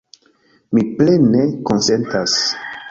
Mi plene konsentas!